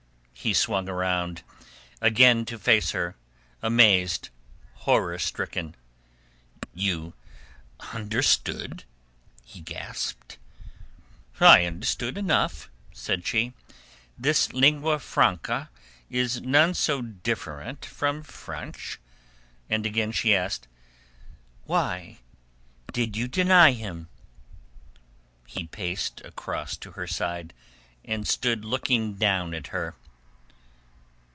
He swung round again to face her, amazed, horror stricken. "You understood?" he gasped. "I understood enough," said she. "This lingua franca is none so different from French." And again she asked—"Why did you deny him?" He paced across to her side and stood looking down at her.